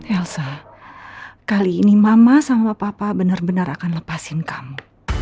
elsa kali ini mama sama papa benar benar akan lepasin kamu